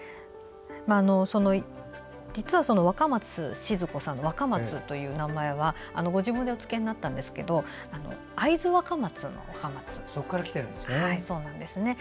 実は、若松賤子さんの「若松」という名前はご自分でお付けになったんですけど会津若松の若松なんです。